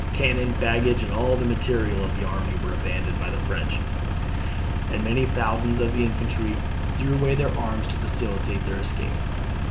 Cannon, baggage, and all the materiel of the army were abandoned by the French; and many thousands of the infantry threw away their arms to facilitate their escape.